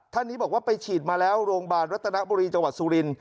ท่านนี้บอกว่าไปฉีดมาแล้วโรงพยาบาลรัตนบุรีจังหวัดสุรินท